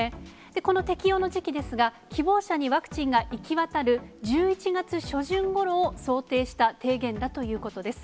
この適用の時期ですが、希望者にワクチンが行き渡る１１月初旬ごろを想定した提言だということです。